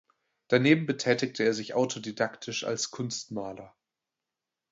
Daneben betätigte er sich autodidaktisch als Kunstmaler.